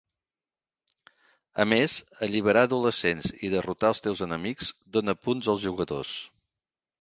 A més, alliberar adolescents i derrotar els teus enemics dona punts al jugadors.